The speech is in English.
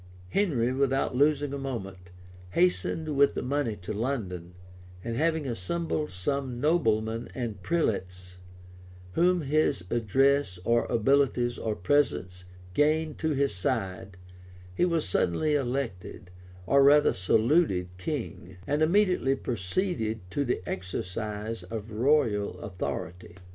] Henry, without losing a moment, hastened with the money to London; and having assembled some noblemen and prelates, whom his address, or abilities, or presents, gained to his side, he was suddenly elected, or rather saluted king; and immediately proceeded to the exercise of royal authority.